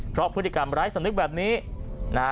เพราะพฤติกรรมร้ายสำนึกแบบนี้นะฮะ